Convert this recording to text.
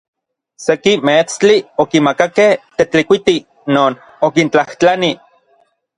Seki meetstli okimakakej Tetlikuiti non okintlajtlani.